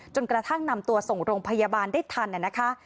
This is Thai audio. จนกระทั่งนำตัวส่งโรงพยาบาลได้ทันนะคะ